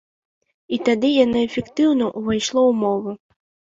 І тады яно эфектыўна ўвайшло ў мову.